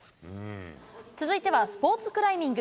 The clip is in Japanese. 続いてはスポーツクライミング。